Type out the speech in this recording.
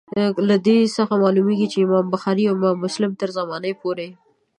له دې څخه معلومیږي چي د امام بخاري او امام مسلم تر زمانې پوري.